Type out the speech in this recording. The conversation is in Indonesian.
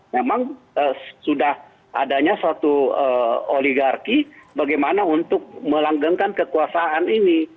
memang sudah adanya suatu oligarki bagaimana untuk melanggengkan kekuasaan ini